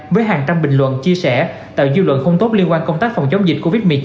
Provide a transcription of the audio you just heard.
với hàng trăm bình luận chia sẻ tạo dư luận không tốt liên quan công tác phòng chống dịch covid một mươi chín